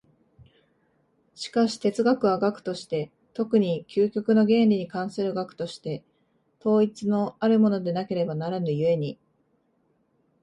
しかし哲学は学として、特に究極の原理に関する学として、統一のあるものでなければならぬ故に、